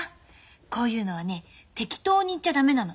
こういうのはね適当に言っちゃ駄目なの。